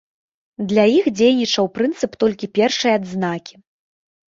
Для іх дзейнічаў прынцып толькі першай адзнакі.